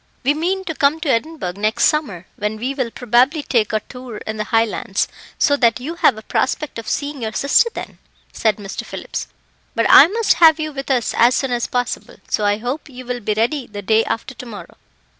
"We mean to come to Edinburgh next summer, when we will probably take a tour in the Highlands, so that you have a prospect of seeing your sister then," said Mr. Phillips: "but I must have you with us as soon as possible, so I hope you will be ready the day after to morrow."